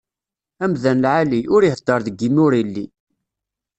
Amdan lɛali, ur iheddeṛ deg imi ur ili.